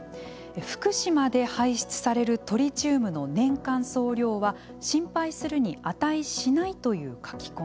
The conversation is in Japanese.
福島で排出されるトリチウムの年間総量は心配するに値しないという書き込み。